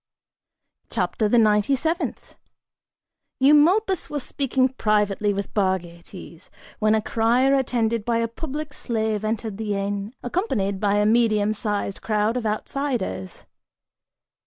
CHAPTER THE NINETY SEVENTH. Eumolpus was speaking privately with Bargates, when a crier attended by a public slave entered the inn, accompanied by a medium sized crowd of outsiders.